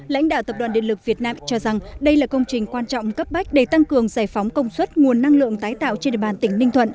lãnh đạo tập đoàn điện lực việt nam cho rằng đây là công trình quan trọng cấp bách để tăng cường giải phóng công suất nguồn năng lượng tái tạo trên địa bàn tỉnh ninh thuận